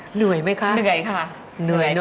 เหนื่อยไหมคะเหนื่อยค่ะเหนื่อยเนอ